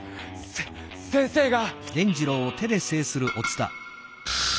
せ先生が。